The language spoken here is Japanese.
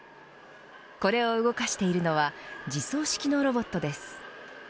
これを動かしているのは自走式のロボットです。